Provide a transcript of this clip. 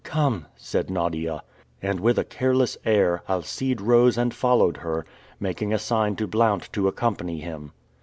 "Come," said Nadia. And with a careless air, Alcide rose and followed her, making a sign to Blount to accompany him.